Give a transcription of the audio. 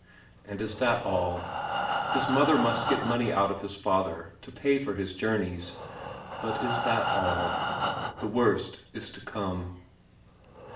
And is that all? His mother must get money out of his father to pay for his journeys. But is that all? The worst is to come.